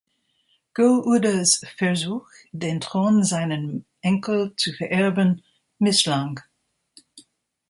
Go-Udas Versuch, den Thron seinem Enkel zu vererben, misslang.